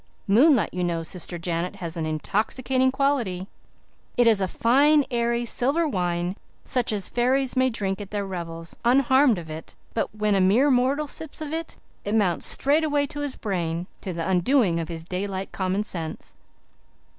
Moonlight, you know, Sister Janet, has an intoxicating quality. It is a fine, airy, silver wine, such as fairies may drink at their revels, unharmed of it; but when a mere mortal sips of it, it mounts straightway to his brain, to the undoing of his daylight common sense.